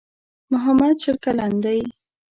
محمد شل کلن دی.